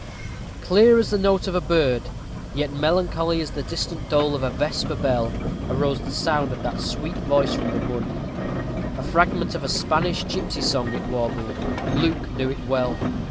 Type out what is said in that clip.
Clear as the note of a bird, yet melancholy as the distant dole of a vesper bell, arose the sound of that sweet voice from the wood. A fragment of a Spanish gipsy song it warbled: Luke knew it well.